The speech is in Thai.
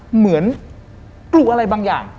เหมือนกลัวอะไรบางอย่าง